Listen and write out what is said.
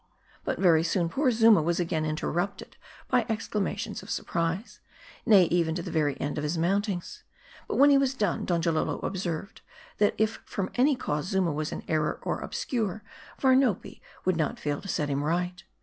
But very soon, poor Zuma was again interrupted by ex clamations of surprise. Nay, even to the very end of his recoun tings. But when he had done, Donjalolo observed, that if from any cause Zuma was in. error or obscure, Varnopi woiild not fail to set him right.